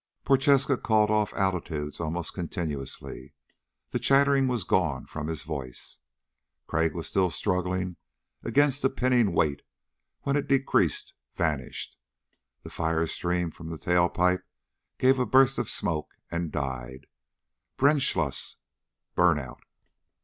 Prochaska called off altitudes almost continuously, the chattering gone from his voice. Crag was still struggling against the pinning weight when it decreased, vanished. The firestream from the tail pipe gave a burst of smoke and died. Brennschluss burnout.